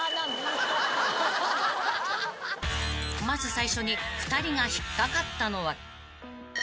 ［まず最初に２人が引っ掛かったのは］